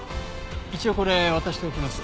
一応これ渡しておきます。